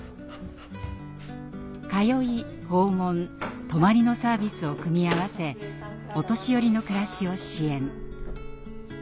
「通い」「訪問」「泊まり」のサービスを組み合わせお年寄りの暮らしを支援。